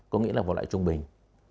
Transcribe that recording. có nghĩa là một loại trung bình